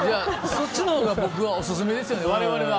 そっちのほうがオススメですよね、我々は。